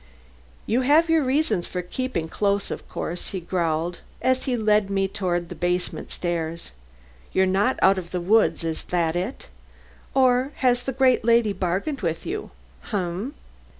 "You have your reasons for keeping close, of course," he growled as he led the way toward the basement stairs. "You're not out of the woods, is that it? Or has the great lady bargained with you? Um? Um?"